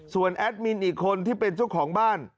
ส่วนแอดมินอีกคนที่เป็นเจ้าของบ้าน